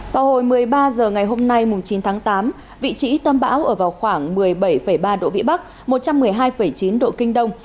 vào hồi một mươi ba h ngày hôm nay chín tháng tám vị trí tâm bão ở vào khoảng một mươi bảy ba độ vĩ bắc một trăm một mươi hai chín độ kinh đông